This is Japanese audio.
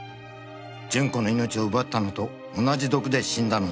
「順子の命を奪ったのと同じ毒で死んだのです」